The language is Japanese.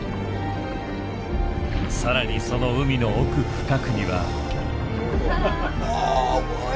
更にその海の奥深くには。